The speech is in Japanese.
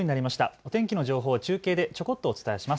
お天気の情報を中継でちょこっとお伝えします。